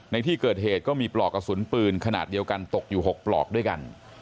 ในที่เกิดเหตุก็มีปลอกกระสุนปืนขนาดเดียวกันตกอยู่๖ปลอกด้วยกัน